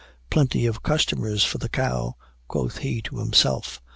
'Plenty of customers for the cow,' quoth he to himself.